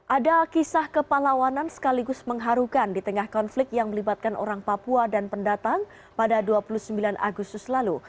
ada kisah kepalawanan sekaligus mengharukan di tengah konflik yang melibatkan orang papua dan pendatang pada dua puluh sembilan agustus lalu